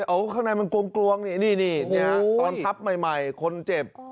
เอาข้างในมันกลวงนี่ตอนทับใหม่คนเจ็บ